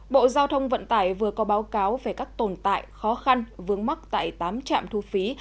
bộ giao thông vận tải vừa có báo cáo về các tồn tại khó khăn vướng mắc tại tám trạm thu phí